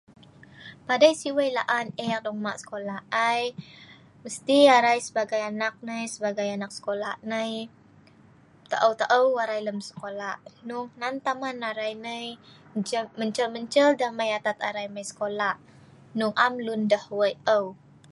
Padei sik weik laan eek dong hma sekola ai, mesti arai sebagai anak nai sebagai anak sekola nai taeu-taeu arai lem sekola, hnung hnan taman arai nai mencel-mencel deh mai atat arai mai sekola, hnung am lun deh weik eu.